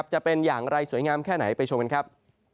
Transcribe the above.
จะเป็นอย่างไรสวยงามแค่ไหนไปชมกันครับ